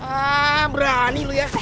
hah berani lo yah